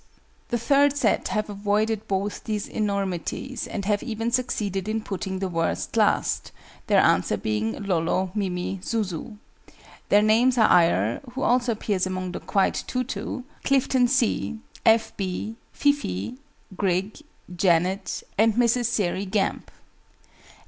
The third set have avoided both these enormities, and have even succeeded in putting the worst last, their answer being "Lolo, Mimi, Zuzu." Their names are AYR (who also appears among the "quite too too"), CLIFTON C., F. B., FIFEE, GRIG, JANET, and MRS. SAIREY GAMP.